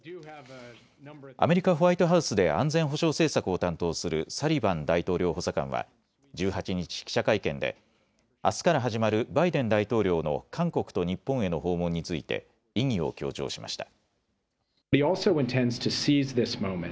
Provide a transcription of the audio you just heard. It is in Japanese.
アメリカ・ホワイトハウスで安全保障政策を担当するサリバン大統領補佐官は１８日、記者会見であすから始まるバイデン大統領の韓国と日本への訪問について意義を強調しました。